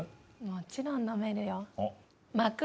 もちろん読めるよ。